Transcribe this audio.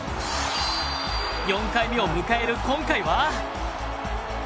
４回目を迎える今回は。